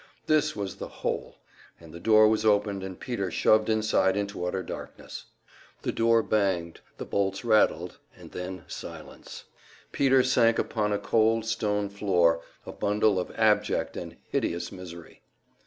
This was the "hole," and the door was opened and Peter shoved inside into utter darkness. The door banged, and the bolts rattled; and then silence. Peter sank upon a cold stone floor, a bundle of abject and hideous misery.